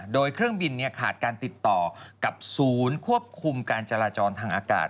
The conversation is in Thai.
โดยเครื่องบินขาดติดต่อกับสูญควบคุมจละจอนทางอากาศ